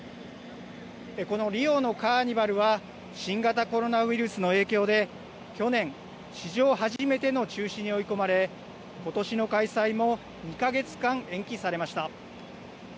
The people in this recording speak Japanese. このリオのカーニバルは、新型コロナウイルスの影響で、去年、史上初めての中止に追い込まれ、ことしの開催も２か月間、延期されました。